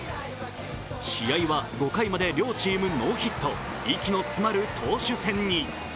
試合は５回まで両チームノーヒット息の詰まる投手戦に。